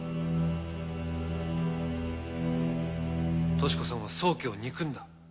敏子さんは宗家を憎んだ。